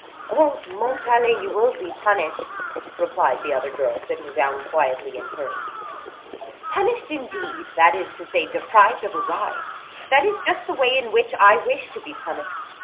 "Oh! Montalais, you will be punished!" replied the other girl, sitting down quietly in hers. "Punished, indeed!—that is to say, deprived of a ride! That is just the way in which I wish to be punished.